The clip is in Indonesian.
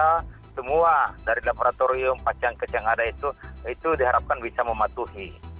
karena semua dari laboratorium pasien case yang ada itu itu diharapkan bisa mematuhi